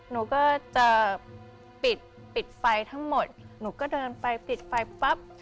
หนูก็จะปิดปิดไฟทั้งหมดหนูก็เดินไปปิดไฟปั๊บ